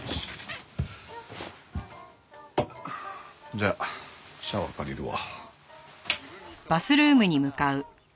じゃあシャワー借りるわ。